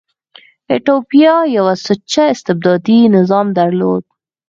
ایتوپیا یو سوچه استبدادي نظام درلود.